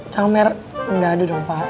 camer enggak aduh dong pak